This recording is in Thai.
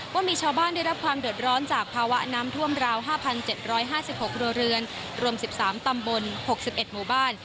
ว่ามีชาวบ้านได้รับความเดือดร้อนจากภาวะน้ำท่วมราว๕๗๕๖ครัวเรือนรวม๑๓ตำบล๖๑หมู่บ้าน